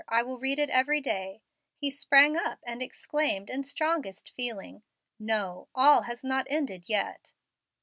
I will read it every day" he sprang up, and exclaimed it strongest feeling, "No, all has not ended yet."